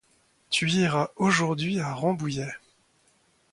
Tu iras aujourd'hui à Rambouillet.